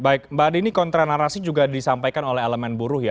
baik mbak dini kontra narasi juga disampaikan oleh elemen buruh ya